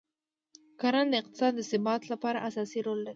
کرنه د اقتصاد د ثبات لپاره اساسي رول لري.